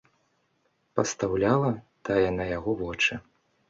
Пастаўляла тая на яго вочы.